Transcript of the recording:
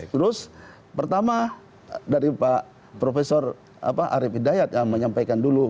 terus pertama dari pak profesor arief hidayat yang menyampaikan dulu